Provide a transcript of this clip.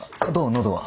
喉は。